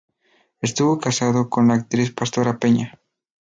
Estuvo casado con la actriz Pastora Peña.